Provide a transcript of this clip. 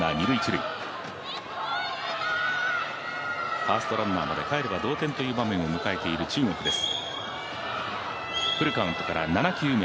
ファーストランナーまで帰れば同点という場面を迎えている中国です。